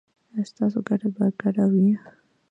ایا ستاسو ګټه به ګډه وي؟